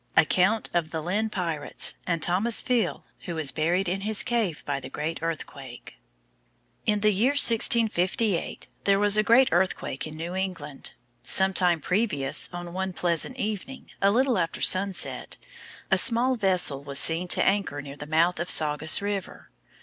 ACCOUNT OF THE LYNN PIRATES And Thomas Veal, who was buried in his cave by the Great Earthquake. In the year 1658 there was a great earthquake in New England. Some time previous, on one pleasant evening, a little after sunset, a small vessel was seen to anchor near the mouth of Saugus river.